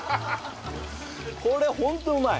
これホントうまい。